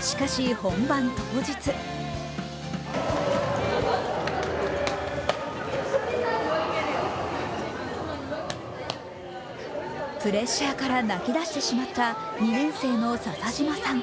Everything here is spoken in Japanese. しかし本番当日プレッシャーから泣きだしてしまった２年生の笹島さん。